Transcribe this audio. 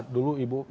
dulu ibu ibu